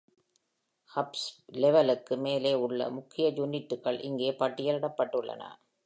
Corps லெவலுக்கு மேலே உள்ள முக்கிய யூனிட்கள் இங்கே பட்டியலிடப்பட்டுள்ளன.